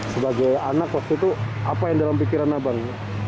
sebagai anak waktu itu apa yang dalam pikiran abang